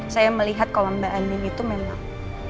saya melihat kalau mbak ani itu memang